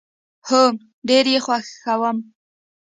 هو، ډیر یي خوښوم